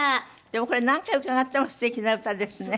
でもこれ何回伺っても素敵な歌ですね。